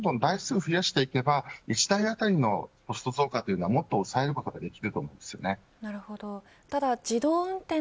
しかも遠隔監視というのをどんどん台数を増やしていけば１台当たりのコスト増加はもっと抑えることができると思います。